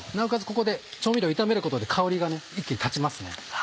ここで調味料を炒めることで香りが一気に立ちますね。